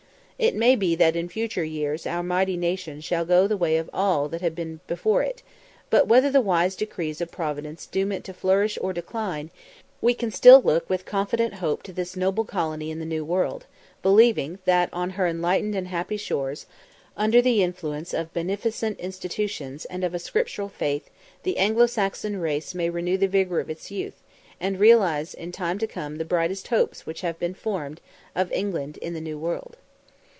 It may be that in future years our mighty nation shall go the way of all that have been before it; but whether the wise decrees of Providence doom it to flourish or decline, we can still look with confident hope to this noble colony in the New World, believing that on her enlightened and happy shores, under the influence of beneficent institutions and of a scriptural faith, the Anglo Saxon race may renew the vigour of its youth, and realise in time to come the brightest hopes which have ever been formed of England in the New World.